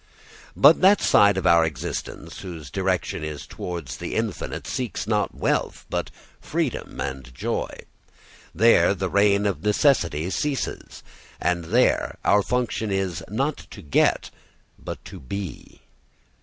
But that side of our existence whose direction is towards the infinite seeks not wealth, but freedom and joy. There the reign of necessity ceases, and there our function is not to get but to be.